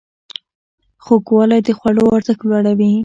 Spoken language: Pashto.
خوږوالی د خوړو ارزښت لوړوي.